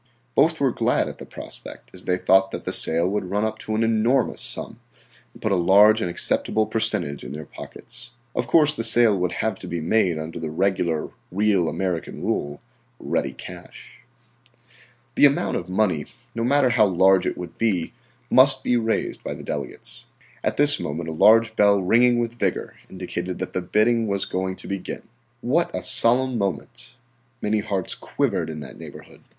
Both were glad at the prospect, as they thought that the sale would run up to an enormous sum and put a large and acceptable percentage in their pockets. Of course the sale would have to be made under the regular, real American rule, "ready cash." The amount of money, no matter how large it would be, must be raised by the delegates. At this moment a large bell ringing with vigor indicated that the bidding was going to begin. What a solemn moment! Many hearts quivered in that neighborhood.